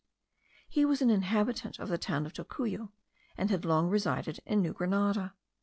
He was an inhabitant of the town of Tocuyo, and had long resided in New Grenada.